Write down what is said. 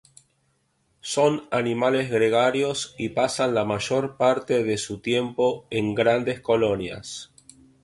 Son animales gregarios y pasan la mayor parte de su tiempo en grandes colonias.